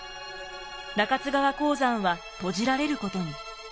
中津川鉱山は閉じられることに。